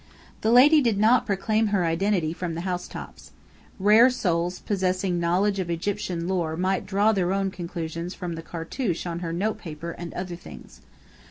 The lady did not proclaim her identity from the housetops. Rare souls possessing knowledge of Egyptian lore might draw their own conclusions from the cartouche on her note paper and other things.